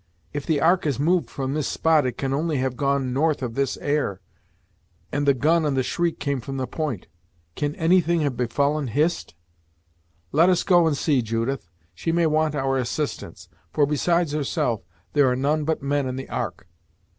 If the ark has moved from this spot it can only have gone north with this air, and the gun and shriek came from the point. Can any thing have befallen Hist?" "Let us go and see, Judith; she may want our assistance for, besides herself, there are none but men in the ark."